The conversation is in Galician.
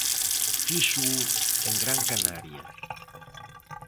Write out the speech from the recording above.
Fíxoo en Gran Canaria.